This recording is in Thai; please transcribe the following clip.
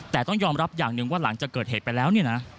แต่ต้องยอมรับอย่างหนึ่งว่าหลังจากเกิดเหตุไปแล้วเนี่ยนะ